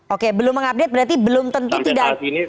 oke belum mengupdate berarti belum tentu tidak